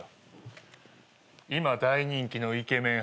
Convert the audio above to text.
今大人気のイケメン